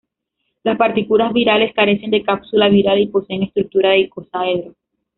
Las partículas virales carecen de cápsula viral y poseen estructura de icosaedro.